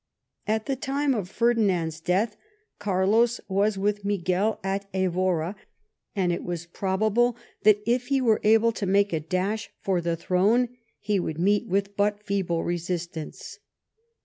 At the time of Ferdinand's death, Carlos was with Miguel at Evora, and it was probable that if he were to make a dash for the throne, he would meet with but feeble resistance.